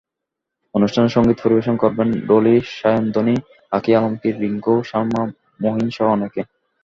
অনুষ্ঠানে সংগীত পরিবেশন করবেন ডলি সায়ন্তনী, আঁখি আলমগীর, রিংকু, সালমা, মুহীনসহ অনেকে।